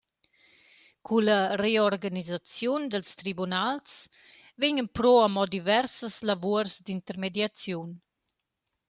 Culla reorganisaziun dals tribunals vegnan pro amo diversas lavuors d’intermediaziun.